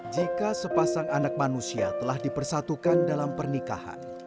jika sepasang anak manusia telah dipersatukan dalam pernikahan